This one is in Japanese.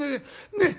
ねっ？